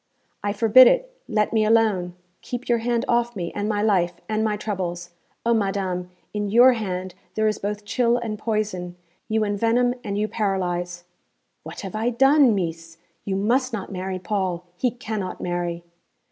'I forbid it. Let me alone. Keep your hand off me, and my life, and my troubles. O madame! in your hand there is both chill and poison. You envenom and you paralyse.' 'What have I done, Meess? You must not marry Paul. He cannot marry.'